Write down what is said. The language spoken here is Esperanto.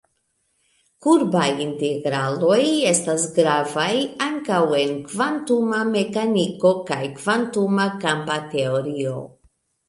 Kurbaj integraloj estas gravaj ankaŭ en kvantuma mekaniko kaj kvantuma kampa teorio.